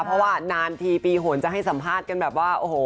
เพราะว่านานทีปีหนจะให้สัมภาษณ์กันแบบว่าโอ้โห